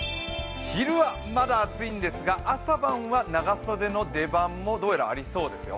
昼はまだ暑いんですが、朝晩は長袖の出番もどうやらありそうですよ。